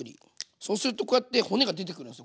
そうするとこうやって骨が出てくるんですよ